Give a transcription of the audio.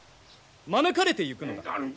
招かれて行くのだ。